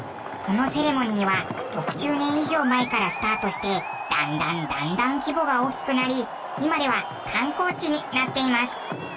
このセレモニーは６０年以上前からスタートしてだんだんだんだん規模が大きくなり今では観光地になっています。